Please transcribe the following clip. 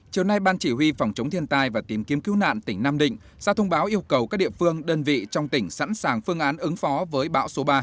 chiều nay ban chỉ huy phòng chống thiên tai và tìm kiếm cứu nạn tỉnh nam định ra thông báo yêu cầu các địa phương đơn vị trong tỉnh sẵn sàng phương án ứng phó với bão số ba